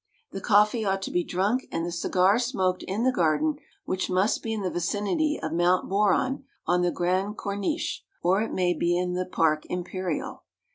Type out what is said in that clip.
The coffee ought to be drunk and the cigar smoked in the garden which must be in the vicinity of Mount Boron on the Grande Corniche or it may be in the Pare Imperial.